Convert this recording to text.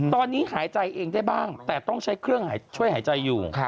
ตอนนี้หายใจเองได้บ้างแต่ต้องใช้เครื่องช่วยหายใจอยู่